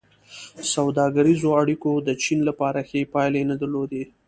سوداګریزو اړیکو د چین لپاره ښې پایلې نه درلودې.